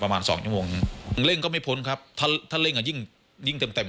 ประมาณสองชั่วโมงเร่งก็ไม่พ้นครับถ้าถ้าเร่งอ่ะยิ่งยิ่งเต็มเต็ม